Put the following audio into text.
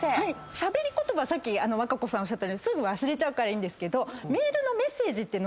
しゃべり言葉は和歌子さんがおっしゃったようにすぐ忘れちゃうからいいんですけど。